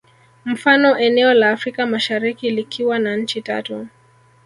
Mfano eneo la Afrika Mashariki likiwa na nchi tatu